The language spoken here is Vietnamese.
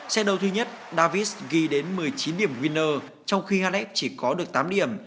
xét đấu thứ nhất davis ghi đến một mươi chín điểm winner trong khi halef chỉ có được tám điểm